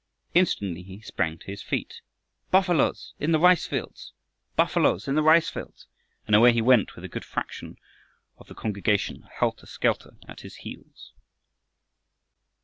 Instantly he sprang to his feet shouting, "Buffaloes in the rice fields! Buffaloes in the rice fields!" and away he went with a good fraction of the congregation helter skelter at his heels.